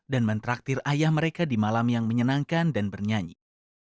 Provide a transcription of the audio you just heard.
dan mentraktir ayah mereka di malam yang menyenangkan dan bernyanyi